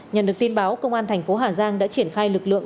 nhận được tin báo công an thành phố hà giang đã triển khai lực lượng